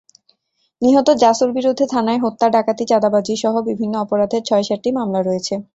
নিহত জাসুর বিরুদ্ধে থানায় হত্যা, ডাকাতি, চাঁদাবাজিসহ বিভিন্ন অপরাধের ছয়-সাতটি মামলা রয়েছে।